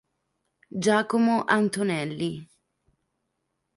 Giacomo Antonelli.